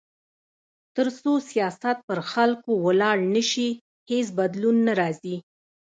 تر څو سیاست پر خلکو ولاړ نه شي، هیڅ بدلون نه راځي.